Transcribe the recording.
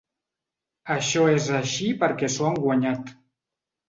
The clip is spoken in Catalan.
Això és així perquè s’ho han guanyat.